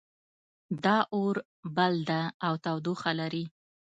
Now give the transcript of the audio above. دا اور بل ده او تودوخه لري